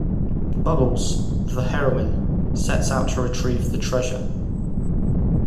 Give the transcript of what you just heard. Bubbles, the heroine, sets out to retrieve the treasure.